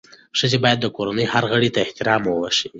ښځه باید د کورنۍ هر غړي ته احترام وښيي.